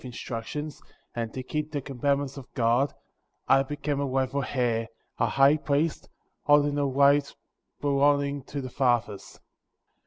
instructions, and to keep the commandments of God, I became a rightful heir, a High Priest, holding the right belonging to the fathers.